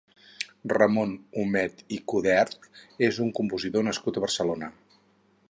Ramon Humet i Coderch és un compositor nascut a Barcelona.